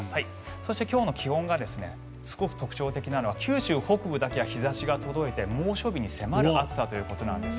そして、今日の気温がすごく特徴的なのは九州北部だけは日差しが届いて猛暑日に迫る暑さということです。